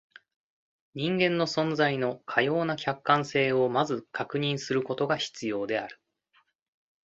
人間の存在のかような客観性を先ず確認することが必要である。